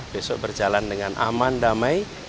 besok berjalan dengan aman damai